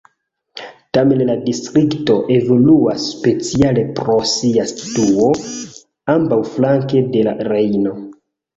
Tamen la distrikto evoluas speciale pro sia situo ambaŭflanke de la Rejno.